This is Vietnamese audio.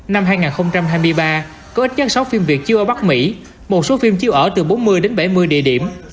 năm hai nghìn hai mươi ba có ít nhất sáu phim việt chiếu ở bắc mỹ một số phim chiếu ở từ bốn mươi đến bảy mươi địa điểm